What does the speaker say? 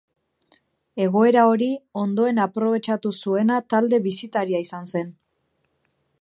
Egoera hori ondoen aprobetxatu zuena talde bisitaria izan zen.